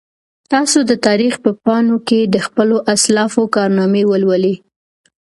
تاسو د تاریخ په پاڼو کې د خپلو اسلافو کارنامې ولولئ.